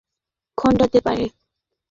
কিন্তু ভাগ্যের লিখন কে খণ্ডাতে পারে?